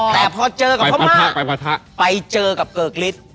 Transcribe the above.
แต่พอเจอกับเขามาไปเจอกับเกอร์กริส